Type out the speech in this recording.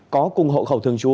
có cùng hậu khẩu thường trú